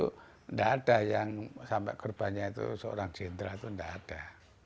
tidak ada yang sampai kerbannya itu seorang jenderal itu tidak ada